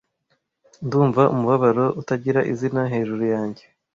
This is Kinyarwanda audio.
Ndumva umubabaro utagira izina hejuru yanjye.